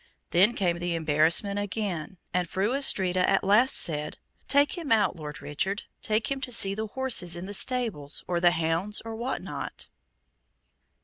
Then came the embarrassment again, and Fru Astrida at last said, "Take him out, Lord Richard; take him to see the horses in the stables, or the hounds, or what not."